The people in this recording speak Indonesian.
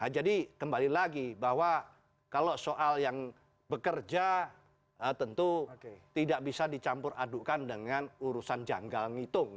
jadi kembali lagi bahwa kalau soal yang bekerja tentu tidak bisa dicampur adukan dengan urusan janggal ngitung